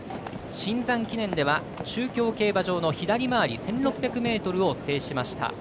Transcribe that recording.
シンザン記念では中京競馬場の左回り、１６００ｍを制しました。